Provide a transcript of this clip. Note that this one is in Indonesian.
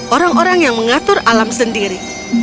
orang orang yang mengatur alam sendiri